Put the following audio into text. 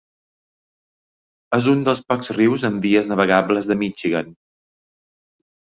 És un dels pocs rius amb vies navegables de Michigan.